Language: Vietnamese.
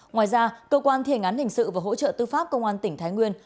ngoài ra cơ quan thi hành án hình sự và hỗ trợ tư pháp công an tỉnh thái nguyên